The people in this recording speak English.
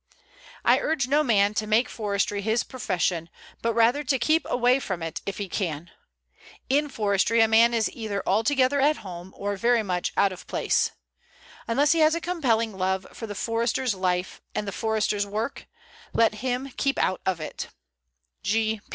I urge no man to make forestry his profession, but rather to keep away from it if he can. In forestry a man is either altogether at home or very much out of place. Unless he has a compelling love for the Forester's life and the Forester's work, let him keep out of it.